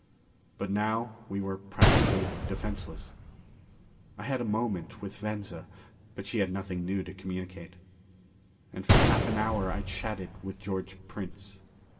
But now we were practically defenseless. I had a moment with Venza, but she had nothing new to communicate. And for half an hour I chatted with George Prince.